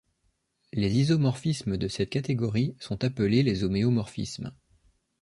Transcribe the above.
Les isomorphismes de cette catégorie sont appelés les homéomorphismes.